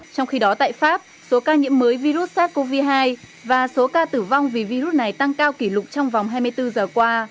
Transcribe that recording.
trong khi đó tại pháp số ca nhiễm mới virus sars cov hai và số ca tử vong vì virus này tăng cao kỷ lục trong vòng hai mươi bốn giờ qua